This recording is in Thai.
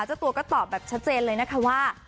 เจ้าตัวก็ตอบแบบชัดเจนเลยนะคะว่า